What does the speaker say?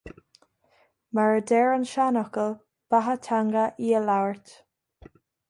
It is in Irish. Mar a deir an seanfhocal "Beatha Teanga í a Labhairt".